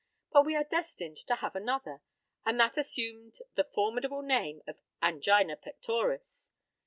But we are destined to have another, and that assumed the formidable name of angina pectoris.